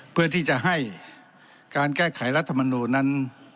เพื่อที่จะให้การแก้ไขรัฐมนูลนั้น